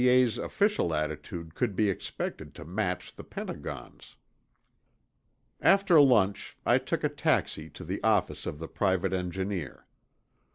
A.'s official attitude could be expected to match the Pentagon's. After lunch, I took a taxi to the office of the private engineer.